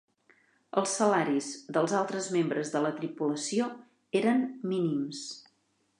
Els salaris dels altres membres de la tripulació eren mínims.